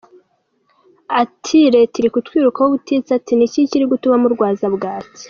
Ati “Leta iri kutwirukaho ubutitsa ati ‘niki kiri gutuma murwaza bwaki.